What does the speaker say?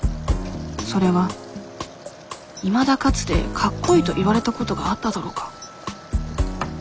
それは「いまだかつてかっこいいと言われたことがあっただろうか？」